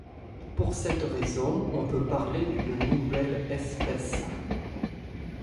Pour cette raison, on peut parler d’une nouvelle espèce.